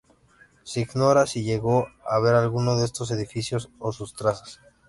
Se ignora si llegó a ver alguno de esos edificios o sus trazas.